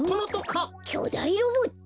きょだいロボット？